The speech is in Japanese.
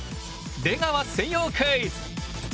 出川専用クイズ！